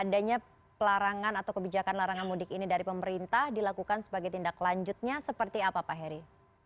adanya pelarangan atau kebijakan larangan mudik ini dari pemerintah dilakukan sebagai tindak lanjutnya seperti apa pak heri